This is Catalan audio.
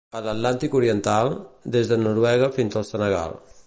A l'Atlàntic Oriental, des de Noruega fins al Senegal.